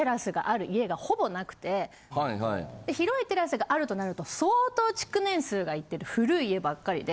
広いテラスがあるとなると相当築年数がいってる古い家ばっかりで。